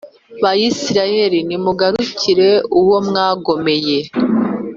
Bayisraheli, nimugarukire Uwo mwagomeye!